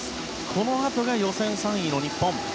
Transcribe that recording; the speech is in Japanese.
このあとが予選３位の日本。